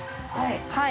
はい。